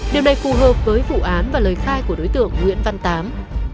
điều này phù hợp với vụ án và lời khai của đối tượng nguyễn văn tám